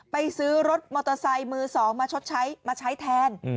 ไปซื้อรถมอเตอร์ไซค์มือสองมาชดใช้มาใช้แทน